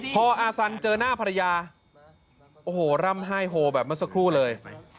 พออาสันเจอหน้าภรรยาโอ้โหร่ำไห้โหแบบเมื่อสักครู่เลย